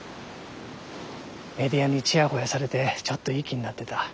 メディアにチヤホヤされてちょっといい気になってた。